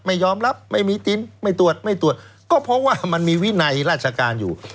ไม่ยอมรับไม่มีตินไม่ตรวจไม่ตรวจก็เพราะว่ามันมีวินัยราชการอยู่